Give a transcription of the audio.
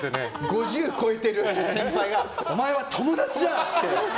５０超えてる先輩がお前は友達だ！って。